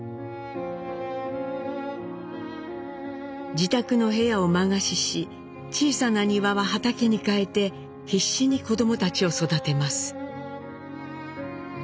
自宅の部屋を間貸しし小さな庭は畑に変えて必死に子供たちを育てます。